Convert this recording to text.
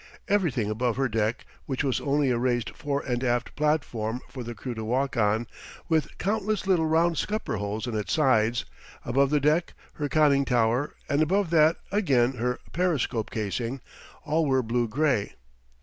Everything above her deck, which was only a raised fore and aft platform for the crew to walk on, with countless little round scupper holes in its sides above the deck her conning tower, and above that again her periscope casing all were blue gray.